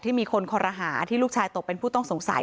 มีคนคอรหาที่ลูกชายตกเป็นผู้ต้องสงสัย